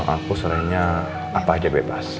aku seringnya apa aja bebas